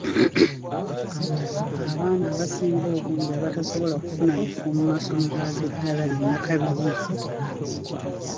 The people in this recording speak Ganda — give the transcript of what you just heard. Abaana abasinga obungi abatasobola kufuna bifo mu masomero ag’eddaala li Nnakabirye